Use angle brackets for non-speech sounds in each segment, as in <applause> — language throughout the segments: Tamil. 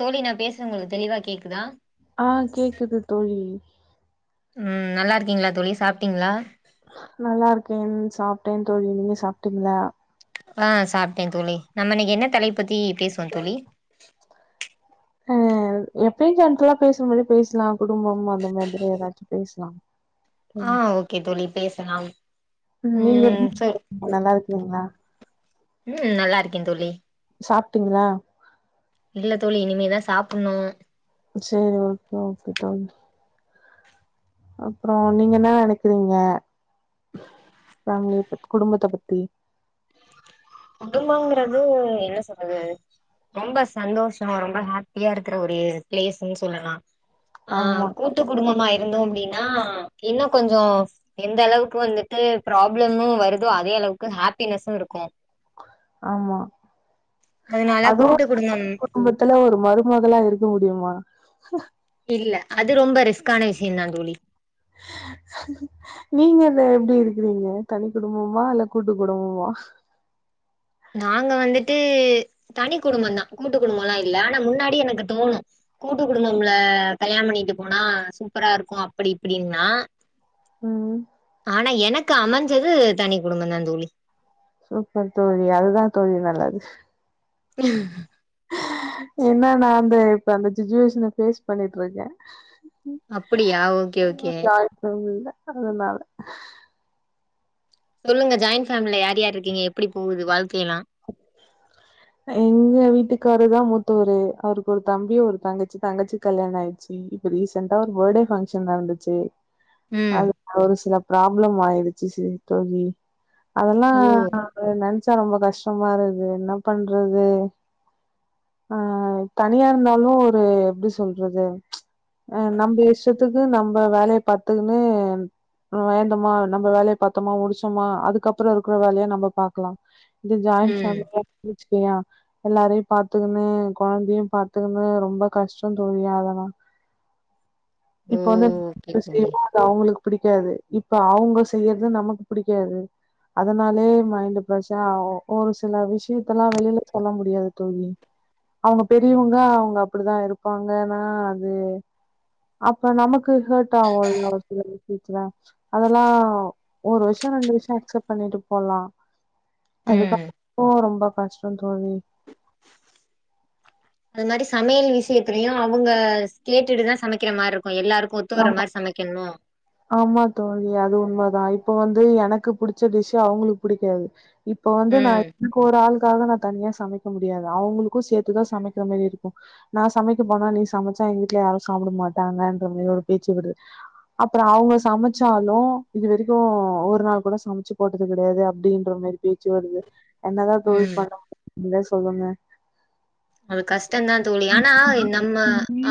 தோழி நா பேசுறது உங்களுக்கு தெளிவா கேக்குதா ஆ கேக்குது தோழி ம் நல்லாருக்கிங்ளா தோழி சாப்ட்டீங்ளா நல்லாருக்கேன் சாப்டேன் தோழி நீங்க சாப்டீங்ளா ஆ சாப்டே தோழி நம்ப இன்னிக்கி என்ன தலைப்பு பத்தி பேசுவோ தோழி அ எப்பவு ஜென்ரலா பேசுற மாதிரி பேசலா குடும்பம் அந்த மாதிரி எதாச்சு பேசலா ஆ ம் ஓகே தோழி பேசலா ம் சொல் நல்லாருக்கிங்ளா ம் நல்லா இருக்கே தோழி சாப்ட்டிங்ளா இல்ல தோழி இனிமேதா சாப்பின்னு சரி ஓகே ஓகே தோழி அப்றோ நீங்க என்ன நெனக்கிறீங்க ஃபேமிலிய பத் குடும்பத்த பத்தி குடும்பங்கறது என்ன சொல்றது ரொம்ப சந்தோஷமா ரொம்ப ஹேப்பியா இருக்குற ஒரு பிளேஸ்ன்னு சொல்லலா ஆ ஆமா கூட்டு குடும்பமா இருந்தோ அப்டின்னா இன்னோ கொஞ்சோ எந்த அளவுக்கு வந்துட்டு ப்ராப்ளமு வருதோ அதே அளவுக்கு ஹேப்பினெஸூ இருக்கு ஆமா அதனால அதுவு குடும்பம் கூட்டு குடும்பத் துல ஒரு மருமகளா இருக்க முடியுமா இல்ல அது ரொம்ப ரிஸ்க்கான விஷிய தா தோழி <unintelligible> நீங்க இத எப்டி இருக்கிறீங்க தனி குடும்பமா இல்ல கூட்டு குடும்பமா நாங்க வந்துட்டு தனி குடும்போ தா கூட்டு குடும்போல்லா இல்ல ஆனா முன்னாடி எனக்கு தோணு கூட்டு குடும்பம்ல கல்யாண பண்ணிட்டு போனா சூப்பரா இருக்கு அப்டி இப்டின்னா ம் ஆனா எனக்கு அமஞ்சது தனி குடும்பந்தா தோழி சூப்பர் தோழி அதுதா தோழி நல்லது ஏன்ன நா அந்த இப்ப அந்த சுச்சுவேஷன பேஸ் பண்ணிட்டு இருக்கே அப்படியா ஓகே ஓகே <unintelligible> இல்ல அதனால சொல்லுங்க ஜாயிண் ஃபேமிலா யார் யார் இருக்கீங்க எப்டி போகுது வாழ்க்கை எல்லா எங்க வீட்டுக்காருதா மூத்தவரு அவருக்கு ஒரு தம்பியு ஒரு தங்கச்சி தங்கச்சி கல்யாணோ ஆயிச்சு இப்ப ரீசெண்டா ஒரு ஃபர்த்டே ஃபங்க்ஷன் நடந்துச்சு ம் அது ஒரு சில பிராப்ளம் ஆயிடுச்சு சி தோழி அதெல்லா ஓ நாங்க நென சா ரொம்ப கஷ்டமா இருக்கு என்ன பண்றது ஆ தனியா இருந்தாலு ஒரு எப்டி சொல்றது ஆ நம்ப இஷ்டத்துக்கு நம்ப வேலைய பத்துக்குன்னு வேந்தோமா நம்ம வேலையை பாத்தோமா முடிச்சோமா அதுக்கப்புறோ இருக்க வேலையா நம்ம பாக்கலா இதே ஜாயின் ம் ஃபேமிலி யா இருந்துங்சு வெச்சுக்கயே எல்லரையு பாத் த்துகுன்னு கொழந்தையு பாத்துகுன்னு ரொம்ப கஷ்டோ தோழி அதெல்லா ஓ இப்போ வந்து ஓகே தோழி <unintelligible> அவுங்களுக்கு பிடிக்காது இப்ப அவுங்க செய்யறது நமக்கு பிடிக்காது அதனாலே மைண்ட் பிரஷர் ஆவு ஒரு சில விஷயத்தல்லா வெளில சொல்ல முடியாது தோழி அவங்க பெரியவங்க அவங்க அப்டிதா இருப்பாங்கன்னா அது அப்ப நமக்கு ஹார்ட் ஆகு இல்ல ஒரு சில விஷயத்தில அதெல்லா ஒரு விஷியோ ரெண்டு விஷியோ அக்செப்ட் பண்ணிட்டு போலா ம் அதுக்கப்போ ரொம்ப கஷ்டோ தோழி அது மாரி சமையல் விஷயத்திலயையு அவங்க கேட்டுட்டு தா சமைக்கிற மாரி இருக்கு எல்லாருக் கு ஒத்துக்கர ஆமா, மாரி சமைக்கனு ஆமா தோழி அது உண்ம தா இப்ப வந்து எனக்கு புடிச்ச டிஷ்சு அவங்களுக்கு புடிக்காது இப்ப வந்து நா ம் <unintelligible> ஒரு ஆள் க்காக நா தனியா சமைக்க முடியாது அவங்களுக்கு சேத்துதா சமைக்கிற மாரி இருக்கு நா சமைக்க போனா நீ சமச்சா எங்க வீட்ல யாரு சாப்பிட மாட்டாங்கன்ற மாரி ஒரு பேச்சு வரு அப்றோ அவங்க சமச்சாலு இது வரைக்கு ஒரு நாள் கூட சமச்சு போட்டது கெடையாது அப்டின்ற மாரி பேச்சு வருது என்னதா தோழி ம் பண்ண முடியு நீங்களே சொல்லுங்க அது கஷ்டந்தா தோழி ஆனா நம்ம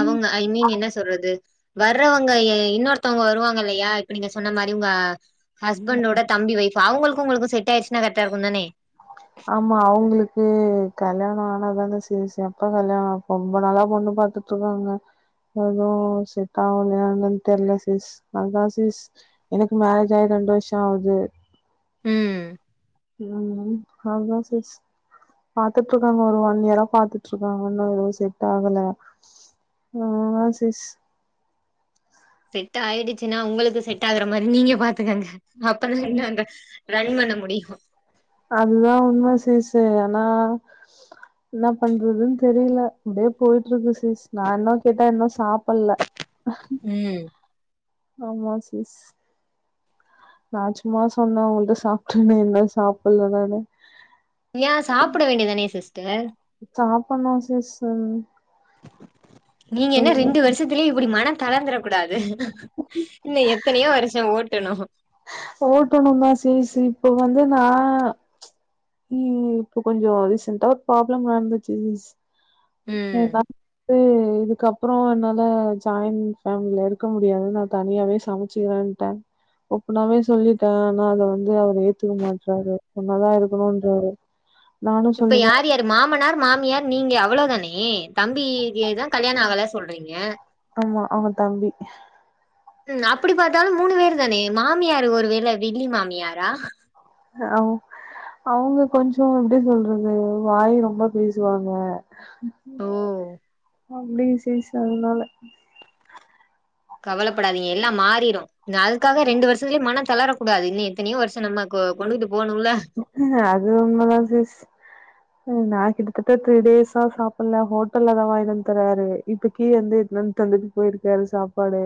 அவங்க ஐ மீன் என்ன சொல்றது வர்றவங்க இன்னொருத்தவங்க வருவாங்கல்லயா இப்ப நீங்க சொன்ன மாரி உங்க ஹஸ்பண்டோட தம்பி வைஃப் அவங்களுக்கு உங்களுக்கு செட் ஆயிடுச்சுனா கரெக்ட்டா இருக்கு தானே ஆமா அவங்களுக்கு கல்யாணோ ஆனாதானே சேரி சேர் அப்ப கல்யாணோ ரொம்ப நாளா பொண்ணு பாத்து த்துக்காங்க அதுவு செட் அவளையா என்னனு தெரில சிஸ் அதா சிஸ் எனக்கு மேரேஜ் ஆயி ரெண்டு வர்ஷோ ஆவுது ம் ம் அதா சிஸ் பாத்துட்டு இருக்காங்க ஒரு ஒன் இயரா பாத்துட்டு இருக்காங்க இன்னு எது செட் ஆகல ஆமா சிஸ் செட்டாயிடுச்சின்னா உங்களுக்கு செட்டாகுற மாரி நீங்க பாத்துக்கங்க அப்பதா என்ன அந்த ரன் பண்ண முடியு அதுதா உண்ம சிஸ்ஸு ஏனா என்ன பண்றதுன் தெரில அப்டியே போய்ட்ருக்கு சிஸ் நா இன்னு கேட்டா இன்னு சாப்புல்ல அஹ் ம் ஆமா சிஸ் நா சும்மா சொன்னெ உங்கள்ட்ட சாப்டேனு இன்னு சாப்புல நானு ஏ சாப்பிட வேண்டியதானே சிஸ்டர் சாப்புனு சிஸ்ஸு நீங்க என்ன ரெண்டு வர்ஷத்துலே இப்டி மன தளர்ந்துற கூடாது இன்னு எத்தனயோ வர்ஷோ ஓட்டனு ஓட்டனு தா சிஸ் இப்ப வந்து நா இ இப்போ கொஞ்சோ ரீசெண்ட்டா ஒரு ப்ராப்ளம் நடந்துச்சு சிஸ் ம். எதா து இதுக்க ப்றோ என்னால ஜாயிண்ட் ஃபேமிலில இருக்க முடியாது நா தனியாவே சமச்சுக்குறேன்டே ஃபுல்லாவே சொல்லிட்டே ஆனா அத வந்து அவர் ஏத்துக்க மாட்றாரு ஒன்னா தா இருக்கனுன்றாரு இப்ப யார் யார் மாமனார் மாமியார் நீங்க அவ்ளோ தானே தம்பிக்கி தா கல்யாணொ ஆகல சொல்றீங்க ஆமா அவே தம்பி ம் அப்டி பாத்தாலு மூனு பேரு தானே மாமியார் ஒரு வேல வில்லி மாமியாரா அவ் அவுங்க கொஞ்சோ எப்டி சொல்றது வாய் ரொம்ப பேசுவாங்க ஓ அப்டிங் சிஸ் அதனால கவலப்படாதீங்க எல்லா மாறிரு ன்ன அதுக்காக ரெண்டு வர்ஷத்துலே மன தளரக்கூடாது இன்னு எத்தனயோ வர்ஷோ நம்ம கொ கொண்டுட்டு போனுல்ல அது உண்ம தா சிஸ் ம் நா கிட்டத்தட்ட த்ரீ டேஸ்ஸா சாப்புல்ல ஹோட்டல்ல தா வாய்ன்னு வந்த் தராரு இப்ப கீழலெந்து எத்துன் வந் தந்துட்டு போய்ருக்காரு சாப்பாடு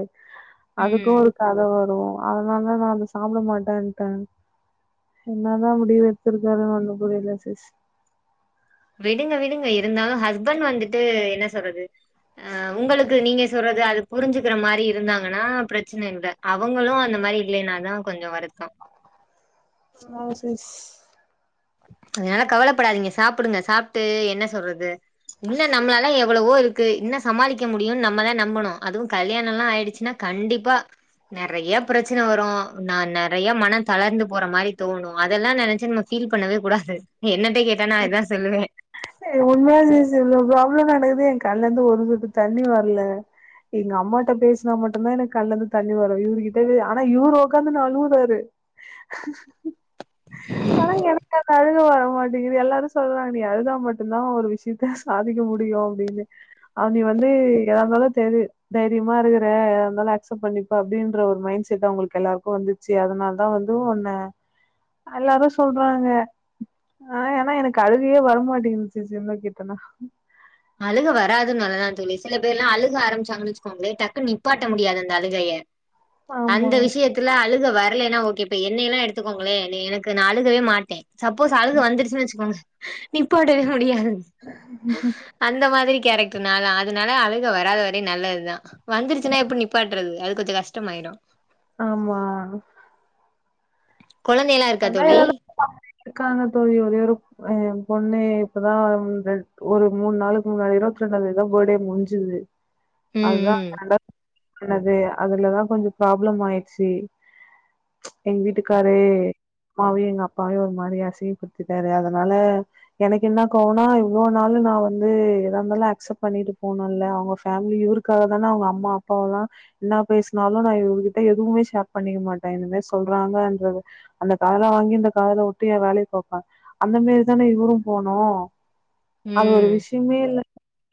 அதுக்கு ம் ஒரு கத வரு அதனால நா அத சாப்ட மாட்டேன்ட்டே என்னா தா முடிவெடுத்திருக்காருன் ஒன்னு புரில சிஸ் விடுங்க விடுங்க இருந்தாலு ஹஸ்பண்ட் வந்துட்டு என்ன சொல்றது ஆ உங்களுக்கு நீங்க சொல்றது அது புரிஞ்சுக்ற மாரி இருந்தாங்கன்னா பிரச்சன இல்ல அவங்களு அந்த மாரி இல்லைனாதா கொஞ்சோ வருத்தோ ஆமாங்க சிஸ் அதனால கவலப்படாதீங்க சாப்புடுங்க சாப்ட்டு என்ன சொல்றது இன்னு நம்ளாலா எவ்ளவோ இரு க்கு இன்னு சமாளிக்க முடியுன் நம்மதா நம்பனு அதுவு கல்யாணொல்லா ஆய்டுச்சுன்னா கண்டிப்பா நறையா பிரச்சன வரு நா நறையா மன தளர்ந்து போற மாரி தோனு அதெல்லா நெனச்சு நம்ம ஃபீல் பண்ணவே கூடாது என்னட்டே கேட்டா நா இதா சொல்லுவே எ உண்மயா சிஸ் இவ்ளோ ப்ராப்ளொ நடக்குது எ கண்லெந்து ஒரு சொட்டு தண்ணி வர்ல எங்க அம்மாட்ட பேசுனா மட்டுந்தா எனக்கு கண்லந்து தண்ணி வரு இவுரு கிட்ட ஆனா இவுரு ஒக்காந்துனு அழுவுறாரு ஆனா எனக்கு அந்த அழுக வரமாட் டிங்கிது எல்லாரு சொல்றாங்க நீ அழுதா மட்டுந்தா ஒரு விஷ்யத்த சாதிக்க முடியு அப்டின்னு அவ நீ வந்து எதாருந்தாலு தெரி தைரியமா இருக்குற அதனால அக்செப்ட் பண்ணிப்பா அப்டின்ற ஒரு மைண்ட் செட் அவங்களுக்கு எல்லாருக்கு வந்து ச்சி அதனால தா வந்து உன்ன எல்லாரு சொல்றாங்க ஆ ஏனா எனக்கு அழுகையே வரமாட்டேங்குது சிஸ் என்ன கேட்டனா அழுக வராது நல்லதா தோழி சில பேர்லா அழுக ஆரம்பச்சாங்கன்னு வச்சுகோங்களே டக் குனு நிப்பாட்ட முடியாது அந்த அழுகைய ஆமா அந்த விஷயத் துல அழுக வரலைன்னா ஓகே இப்ப என்னைல்லா எடுத்துக்கோங்களே எனக்கு நா அழுகவே மாட்டே சப்போஸ் அழுக வந்துருச்சின்னு வச்சிக்கோங்க நிப்பாட்டவே முடியாது ம்ம் அந்த மாதிரி கேரக்டர் நாலா அதனால அழுக வராத வரை நல்லதுதா வந்துருச்சின்னா எப்டி நிப்பாட்டுறது அது கொஞ்சோ கஷ்டமாயிரு ஆமாங் கொழந்தைல அதா ஏதாவது பாத்துகிட்டு இருக்கங்க தோழி ஒரே ஒரு ஆ ஏ பொண்ணு இப்பதா ரெண் ஒரு மூணு நாளுக்கு முன்னாடி தா இருவத்தி ரெண்டாவது தேதிதா பர்த்டே முடிஞ்சது அதுதா ம் ம் <unintelligible> ஆனது அதுலதா கொஞ்சோ ப்ராப்ளம் ஆயிறிச்சி எங்க வீட்டுக்காரு அம்மாவையு எங்க அப்பாவையு ஒரு மாரி அசிங்கப்படுத்திட்டாரு அதனால எனக்கு என்ன கோவனா இவ்ளோ நாள் நா வந்து எதா இருந்தாலு அக்செப்ட் பண்ணிட்டு போனேல அவுங்க ஃபேமிலி இவரு க்காக தானே அவுங்க அம்மா அப்பாலா என்ன பேசினாலு நா இவர்கிட்ட எதுவுமே ஷேர் பண்ணிக்க மாட்டே இந்த மாரி சொல்றாங்கன்றத அந்த காதுல வாங்கி இந்த காதுல வுட்டு எ வேலயப் பாப்பே அந்த மாரிதானே இவுரு போனு அது ஒரு ம் விஷயமே இல்ல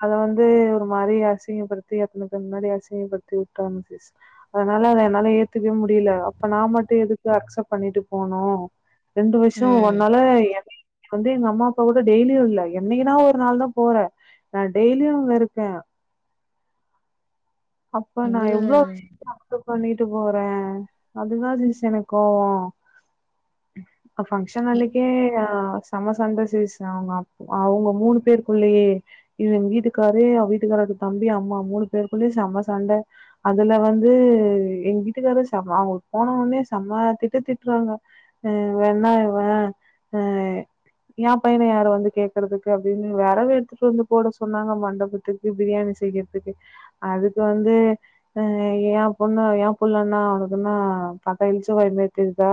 அத வந்து ஒரு மாரி அசிங்கப்படுத்தி அத்தனை பேர் முன்னாடி அசிங்கப்படுத்தி வுட்டாங்க சிஸ் அதனால அத என்னால ஏத்துக்கவே முடியல அப்ப நா மட்டு எதுக்கு அக்செப்ட் பண்ணிட்டு போனு ரெண்டு வருஷ ம் ஒன்னால என்னைய வந்து எங்க அம்மா அப்பா கூட டெய்லியு இல்ல என்னைக்குனா ஒரு நாள் தா போற நான் டெய்லியு இங்க இருக்கே அப்ப நா இதுல எவ்வளவு விஷயத்த அக்சப்ட் பண்ணிட்டு போறே அதுதா சிஸ் எனக்கு கோவோ அ ஃபங்ஷன் எ- அன்னைக்கே அ செம்ம சண்டை சிஸ் அவுங்க அவுங்க மூணு பேருக்குள்ளயே இது எங்க வீட்டுக்காரு எ வீட்டுக்காரோட தம்பி அம்மா மூணு பேருக்குள்ளயு செம்ம சண்ட அதுல வந்து எங்க விட்டுக்காரு செ அவுங்க போன உடனே செம்ம திட்டுதிட் றாங்க ஆ வேண்ண இவ ஆ எ பையன யாரு வந்து கேக்கறதுக்கு அப்டின்னு வேறவு எடுத்துட்டு வந்து போட சொன்னாங்க மண்டபத்துக் கு பிரியாணி செய்யறதுக்கு அதுக்கு வந்து ஆ ஏ பொண்ணு ஏ புள்ளனா அவனுக்குன்னா பாக்க இளிச்சவாய் மாரி தெரி தா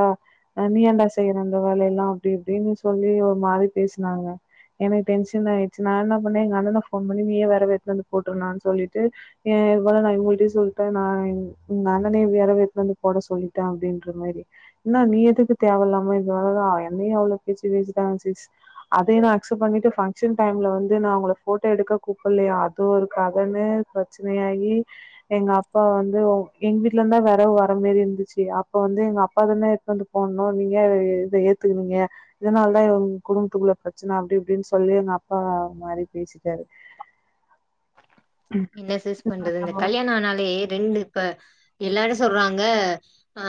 அ நீ ஏண்டா செய்யற இந்த வேலைய எல்லா அப்டி இப்டின்னு சொல்லி ஒரு மாரி பேசினாங்க எனக்கு டென்ஷன் ஆயிச்சி நா என்ன பண்ணே எங்க அண்ணுக்கு ஃபோன் பண்ணி நீயே வேறவு எடுத்துட்டு வந்து போட்டுருனான்னு சொல்லிட்டு ஏ இவ்ளதா எங்க வீட்டுக்கு சொல்லிட்டே நா எங் எங்க அண்ணனையே வெறவு எடுத்துட்டு வந்து போட சொல்லிட்டே அப்டின்ற மாரி என்ன நீ எதுக்கு தேவ இல்லாம இதனாலதா என்னையே அவ்ளோ பேச்சு பேச்சிட்டாங்க சிஸ் அதையு நா அக்சப்ட் பண்ணிட்டு பங்க்ஷன் டைம்ல வந்து நா அவுங்கல போட்டோ எடுக்க கூப்பிடல்லையா அதுவு ஒரு கதன்னு இப்ப பிரச்சனையாகி எங்க அப்பா வந்து எங்க வீட்ல இருந்தா வெறவு வர மாரி இருந்துச்சி அப் ப வந்து எங்க அப்பா தானே எடுத்து வந்து போடணு நீங்க ஏ இ இத ஏத்துக்குவீங்க இதனால தா எங்க குடும்பத்துக்குள்ள பிரச்சனை அப்டி இப்டின்னு சொல்லி எங்க அப்பா மாரி பேசிட்டாரு என்ன சிஸ் பண்றது இந்த கல்யாணோ ஆனாலேயே ரெண்டு இப்ப எல்லாரு சொல்றாங்க ஆ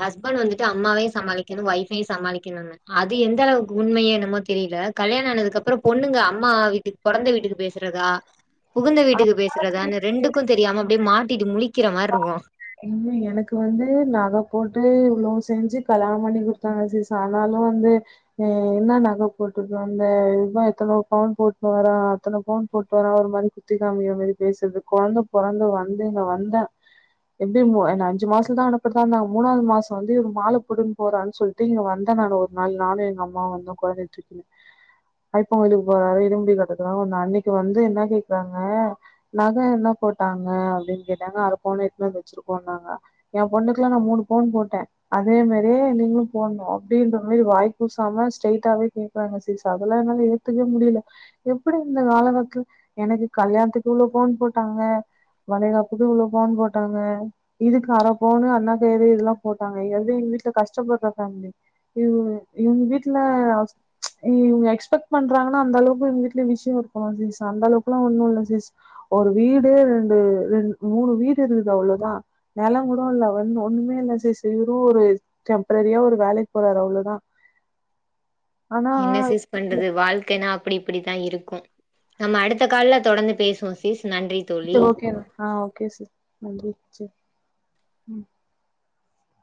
ஹஸ்பண்ட் வந்துட்டு அம்மாவையூ சமாளிக்கணோ ஒய்ஃபையூ சமாளிக்கணுன்னு அது எந்த அளவுக் உண்மையே என்னமோ தெரில கல்யாணோ ஆனதுக்கு அப்புறம் பொண்ணுங்க அம்மா வீட்டுக்கு பெறந்த வீட்டுக்கு பேசுறதா புகுந்த வீட்டுக்கு ஆமா. பேசுறதான்னு ரெண்டுக்கோ தெரியாம அப்டியே மாட்டிட்டு முழிக்கிற மாரி இருக்கோ இன்ணோ எனக்கு வந்து நக போட்டு இவ்ளோ செஞ்சி கல்யாணம் பண்ணி குடுத் அ சரி சா ணாலும் வந்து அ என்னா நக போட்டுட்டு வந்தெ இத் தா இத்தன பவுன் போட்னு வரா அத்தன பவுன் போட்னு வரா ஒரு மதிப்புக் குத்தி காமிக்கிறே மாரி பேசுறது குழந்த பெறந்து வந்தெ இங்க வந்தே எப்டியூ மூ என்ன அஞ்சி மாசத்துல தா அனுப்புறதா இருந்தாங்க மூணாவது மாச வந்து இவர்ரு மாலை போட்டுட்டு போறார்னு சொல் ட்டு இங்க வந்தனானு ஒரு நாள் நானூ எங்க அம்மாவு வந்தோ கொழந்தய தூக்கின்னு ஐப்போ கோயிலுக் போறாரு இடுமுடி கட்றதுனால நா அன்னிக்கு வந்து என்ன கேக்குறாங்ஹ நக என்ன போட்டாங்க அப்டின் கேட்டாங்க அர பவ்ணு எடுத்துனு வந்து வச்சிருக்கோன்னாங்க ஏ பொண்ணுக்ல்லா நா மூணு பவுன் போட்டோ அதே மாரியே நீங்ளு போட்ணோ அப்டின்ற மாரி வாய் கூசாம ஸ்ட்ரெய்ட்டாவே கே டாங்க சரி ஸிஸ் அதெல்லா என்னால ஏத்துக்வே முடில்ல எப்டி இந்த காலகட்டத்ல எனக்கு கல்யாணத்துக்கு இவ்ளோ பவ்ன் போட்டாங்க வலைகாப்புக்கு இவ்ளோ பவ்ன் போட்டாங்க இதுக்கு அரப்பவ்ணு அர்ணாக் கயிறு இதெல்லா போட்டாங்க ‌எதோ எங்க வீட்ல கஷ்டப்பட்ற ஃபேமிலி இவ்க இவ்ங்க வீட்ல ஹஸ் இ்வ்ங்க எக்ஸ்பக்ட் பண்றாங்ன்னா அந்த அளவுக்கு எங்க வீட்ல விஷ்யோ இருக்கனோ ஸிஸ் அந்த அளவுக்குல்லா ஒன்னு இல்ல ஸிஸ் ஒரு வீடு ரெண்டு ரெண் மூணு வீடு இருக்குது அவ்ளோதா நெலோங் கூட இல்ல வந்த ஒண்ணுமே இல்ல ஸிஸ் ஏதோ ஒரு டெம்பரரியா ஒரு வேலைக் போறாரு அவ்ளோதா ஆனா என்ன ஸிஸ் பண்றது வாழ்க்கைனா அப்டி இப்டித்தா இருக்கும் நம்ம அடுத்த கால்ல தொடர்ந்து பேசுவோ ஸிஸ் நன்றி தோழி அ ஓகே ஸிஸ் நன்றி வொச்